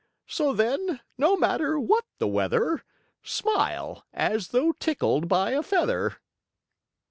So then, no matter what the weather, Smile, as though tickled by a feather."